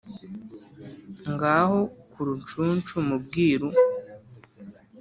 Ngaho ku Rucunshu mu Bwiru !